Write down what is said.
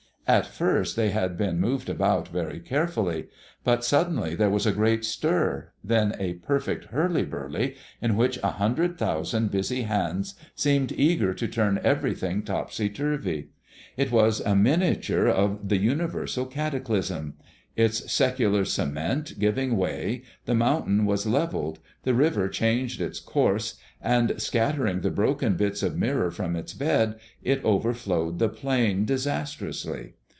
At first they had been moved about very carefully, but suddenly there was a great stir, then a perfect hurly burly, in which a hundred thousand busy hands seemed eager to turn every thing topsy turvy. It was a miniature of the universal cataclysm. Its secular cement giving way, the mountain was levelled; the river changed its course; and scattering the broken bits of mirror from its bed, it overflowed the plain disastrously.